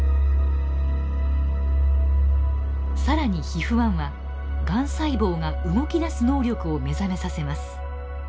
更にＨＩＦ−１はがん細胞が動き出す能力を目覚めさせます。